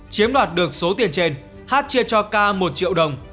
chiếm đoạt được số tiền trên hát chia cho k một triệu đồng